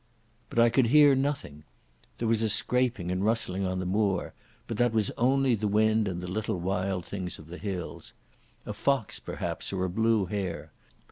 But I could hear nothing. There was a scraping and rustling on the moor, but that was only the wind and the little wild things of the hills. A fox, perhaps, or a blue hare.